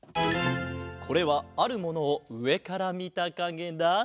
これはあるものをうえからみたかげだ。